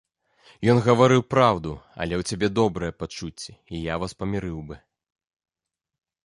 Ён гаварыў праўду, але ў цябе добрыя пачуцці, і я вас памірыў бы.